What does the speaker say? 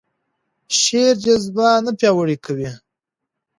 شعر جذبه نه پیاوړې کوي.